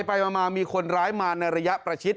ไปมามีคนร้ายมาในระยะประชิด